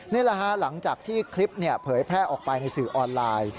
นี่แหละฮะหลังจากที่คลิปเผยแพร่ออกไปในสื่อออนไลน์